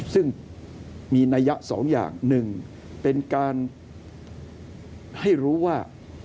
ซึ่งมีนัยยะสองอย่างหนึ่งเป็นการให้รู้ว่า